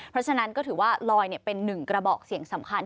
เพราะฉะนั้นก็ถือว่าลอยเป็นหนึ่งกระบอกเสียงสำคัญ